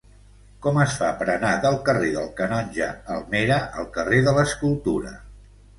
Com es fa per anar del carrer del Canonge Almera al carrer de l'Escultura?